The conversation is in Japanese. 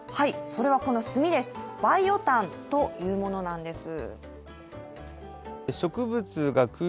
それはこの炭です、バイオ炭というものなんです。